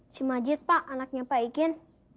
si majid pak anaknya pak ikin